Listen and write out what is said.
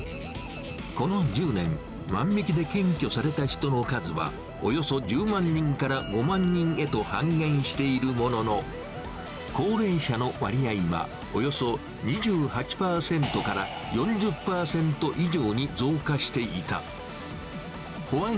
この１０年、万引きで検挙された人の数は、およそ１０万人から５万人へと半減しているものの、高齢者の割合はおよそ２８％から４０％以上に増加していた。